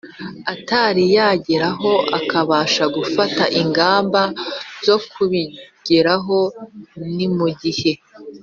atari yageraho akabasha gufata ingamba zo kubigeraho. Ni mu gihe